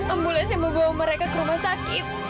ambulans yang membawa mereka ke rumah sakit